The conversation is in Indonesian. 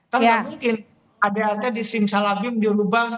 karena mungkin adrt di simsalabim di lubang